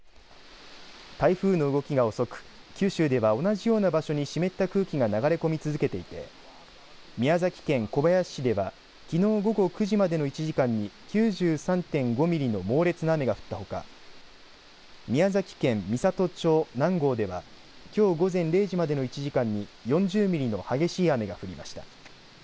台風の動きが遅く九州では同じような場所に湿った空気が流れ込み続けていて宮崎県小林市ではきのう午後９時までの１時間に９３．５ミリの猛烈な雨が降ったほか宮崎県美郷町南郷ではきょう午前０時までの１時間に４０ミリの激しい雨が降りました。